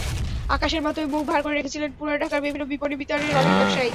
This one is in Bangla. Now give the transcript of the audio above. আকাশের মতোই মুখ ভার করে রেখেছিলেন পুরান ঢাকার বিভিন্ন বিপণিবিতানের অনেক ব্যবসায়ী।